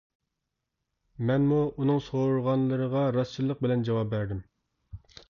مەنمۇ ئۇنىڭ سورىغانلىرىغا راستچىللىق بىلەن جاۋاب بەردىم.